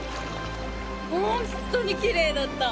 本当にきれいだった。